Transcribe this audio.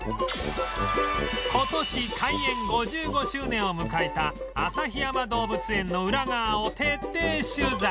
今年開園５５周年を迎えた旭山動物園のウラ側を徹底取材